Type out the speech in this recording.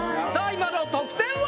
今の得点は？